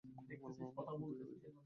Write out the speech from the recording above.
আমরা বাবা-মা হতে চলেছি।